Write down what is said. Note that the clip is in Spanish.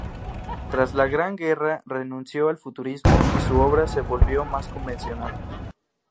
Tras la Gran Guerra renunció al futurismo y su obra se volvió más convencional.